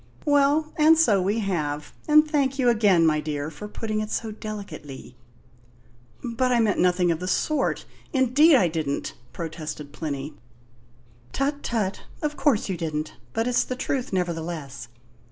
Well, and so we have; and thank you again, my dear, for putting it so delicately." "But I meant nothing of the sort indeed I didn't!" protested Plinny. "Tut, tut! Of course you didn't, but it's the truth nevertheless.